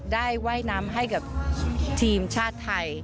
ว่ายน้ำให้กับทีมชาติไทย